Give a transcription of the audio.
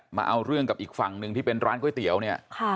มาเอาเรื่องกับอีกฝั่งหนึ่งที่เป็นร้านก๋วยเตี๋ยวเนี่ย